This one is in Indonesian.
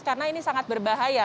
karena ini sangat berbahaya